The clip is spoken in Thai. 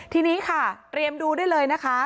ทีนี้ค่ะเตรียมดูได้เลยนะคะ